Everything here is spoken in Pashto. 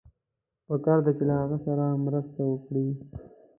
پکار ده چې له هغه سره مرسته وکړئ.